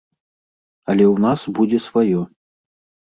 Але ў нас будзе сваё.